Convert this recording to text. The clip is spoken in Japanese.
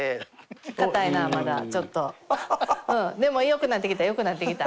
でもよくなってきたよくなってきた。